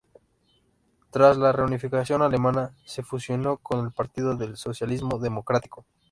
Tras la reunificación alemana, se fusionó con el Partido del Socialismo Democrático.